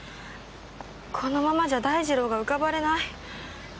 このままじゃ大二郎が浮かばれない。